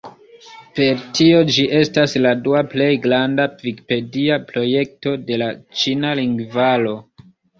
Per tio ĝi estas la dua plej granda vikipedia projekto de la ĉina lingvaro.